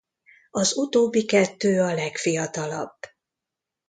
Az utóbbi kettő a legfiatalabb.